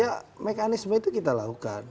ya mekanisme itu kita lakukan